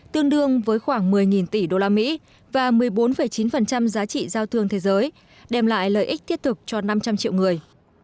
tương đương với khoảng một mươi tỷ usd và một mươi bốn chín giá trị giao thương thế giới đem lại lợi ích thiết thực cho năm trăm linh triệu người